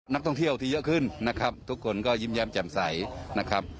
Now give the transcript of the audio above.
นักท่องเที่ยวที่เยอะขึ้นนะครับทุกคนก็ยิ้มแย้มแจ่มใสนะครับ